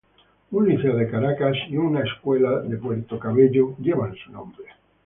Un Liceo de Caracas y una escuela de Puerto Cabello llevan su nombre.